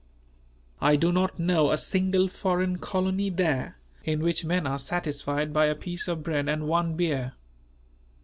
I do not know a single foreign colony there, in which men are satisfied by a piece of bread and one beer.